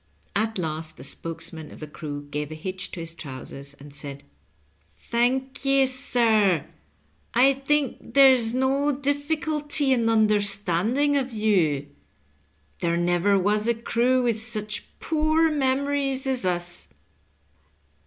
At last the spokesman of the crew gave a hitch to his trousers, and said, " Thank ye, sir ; I think there's no difficulty in understanding of you. There never was a crew with such poor memorieff aB us."